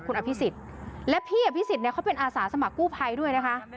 คุณอภิษฎและพี่อภิษฎเนี่ยเขาเป็นอาสาสมัครกู้ภัยด้วยนะคะ